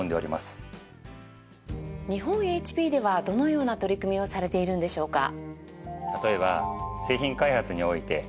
日本ＨＰではどのような取り組みをされているのでしょうか？